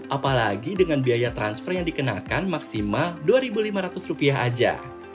apalagi dengan biaya transfer yang dikenakan maksimal rp dua lima ratus aja